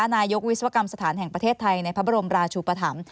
นายกวิศวกรรมสถานแห่งประเทศไทยในพระบรมราชุปธรรม